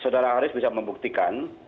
saudara haris bisa membuktikan